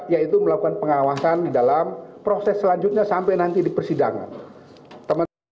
yaitu melakukan pengawasan di dalam proses selanjutnya sampai nanti di persidangan